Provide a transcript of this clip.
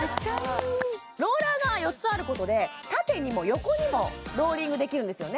ローラーが４つあることで縦にも横にもローリングできるんですよね